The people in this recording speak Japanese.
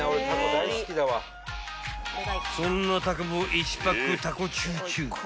［そんなタコも１パックタコチューチュー］